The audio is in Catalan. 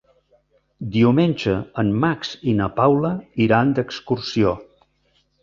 Diumenge en Max i na Paula iran d'excursió.